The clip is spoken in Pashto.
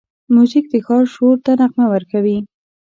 موزیک د ښار شور ته نغمه ورکوي.